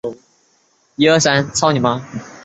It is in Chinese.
在肯尼亚和坦桑尼亚有从日本出口的二手车辆。